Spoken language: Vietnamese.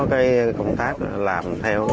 cái công tác làm theo